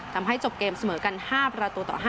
ทำให้จบเกมเสมอกัน๕ประตูต่อ๕